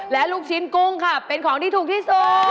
และลูกชิ้นกุ้งค่ะเป็นของที่ถูกที่สุด